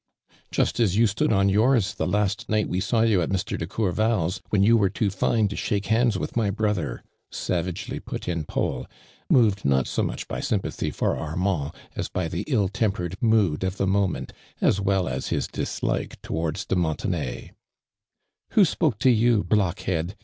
" Just as you stood on yours t\\e laist night we saw you at Mr. de Courval's, when you were too fine to shako hands with my brotlier," savagely put in Paul, moved not so much by sympathy for Armand, as l>y the ill tempered mood of the moment, as well as his dislike towards de Montenay. '• Who spoke to you, block head?"